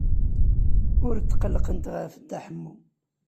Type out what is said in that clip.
Ur tqellqent ɣef Dda Ḥemmu.